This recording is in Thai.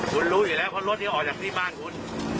คุณรู้อยู่แล้วเพราะรถนี้ออกจากที่บ้านคุณ